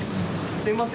すみません